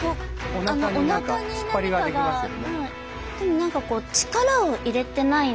お腹に突っ張りができますよね。